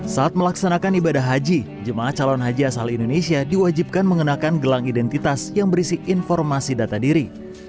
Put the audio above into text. saat melaksanakan ibadah haji jemaah calon haji asal indonesia diwajibkan mengenakan gelang identitas yang berisi informasi data diri